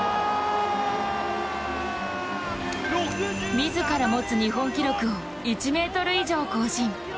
自ら持つ日本記録を１ｍ以上更新。